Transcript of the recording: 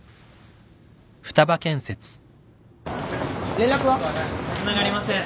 連絡は？つながりません。